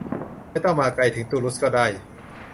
ไม่ต้องมาไกลถึงตูลูสก็ได้